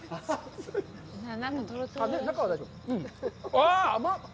ああ、甘っ！